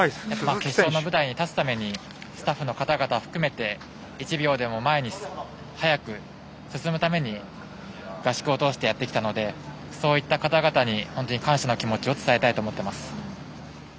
決勝の舞台に立つためにスタッフのかたがた含めて１秒でも前に速く進むために合宿を通してやってきたのでそういったかたがたに感謝の気持ちを伝えたいと思っています。